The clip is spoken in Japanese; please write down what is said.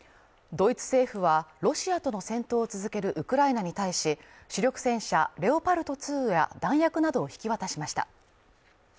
ドイツ政府は、ロシアとの戦闘を続けるウクライナに対し、主力戦車レオパルト２や弾薬などを引き渡しました。